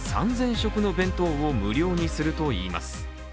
食の弁当を無料にするといいます。